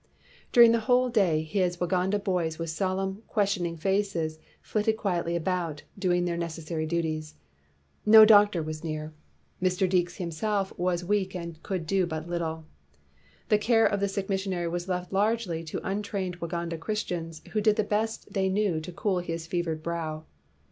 During the whole day his Waganda boys with solemn, questioning faces flitted quietly about, doing their necessary duties. No doctor was near. Mr. Deekes himself 268 HE LAYS DOWN HIS TOOLS was weak and could do little. The care of the sick missionary was left largely to un trained Waganda Christians who did the best they knew to cool his fevered brow.